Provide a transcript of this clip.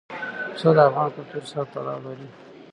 پسه د افغان کلتور سره تړاو لري.